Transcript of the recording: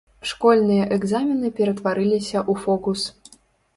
Школьныя экзамены ператварыліся ў фокус.